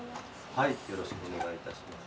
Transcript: はいよろしくお願い致します。